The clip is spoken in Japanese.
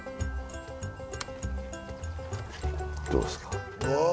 どうですか？